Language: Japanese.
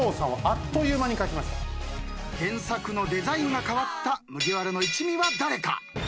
原作のデザインが変わった麦わらの一味は誰か。